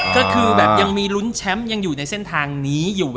เหมือนยังมีรุ้นแชมป์ในเส้นทางนี้